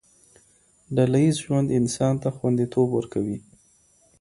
ډله ييز ژوند انسان ته خونديتوب ورکوي.